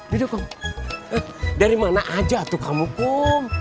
dede kum dari mana aja kamu kum